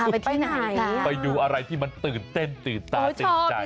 ไปไหนไปดูอะไรที่มันตื่นเต้นตื่นตาตื่นใจ